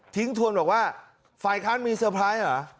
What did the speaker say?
ทวนบอกว่าฝ่ายค้านมีเตอร์ไพรส์เหรอ